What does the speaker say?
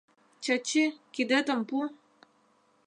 — Чачи, кидетым пу!